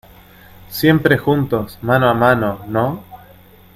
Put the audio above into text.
siempre juntos, mano a mano ,¿ no?